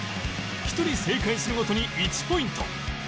１人正解するごとに１ポイント